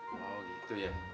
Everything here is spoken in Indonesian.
oh gitu ya